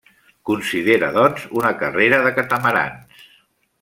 Considera doncs una carrera de catamarans.